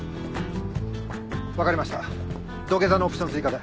分かりました土下座のオプション追加で。